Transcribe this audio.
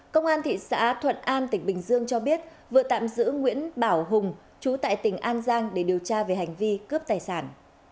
công an thị xã thuận an tỉnh bình dương cho biết vừa tạm giữ nguyễn bảo hùng chú tại tỉnh an giang để điều tra về hành vi cướp tài sản